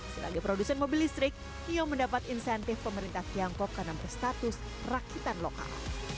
sebagai produsen mobil listrik nio mendapat insentif pemerintah tiongkok karena berstatus rakitan lokal